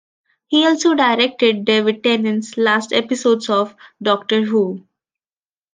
He also directed David Tennant's last episodes of "Doctor Who".